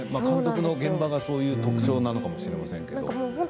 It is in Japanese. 監督の現場がそういう特徴なのかもしれませんが。